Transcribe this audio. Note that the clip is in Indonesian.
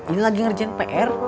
ini lagi ngerjain pr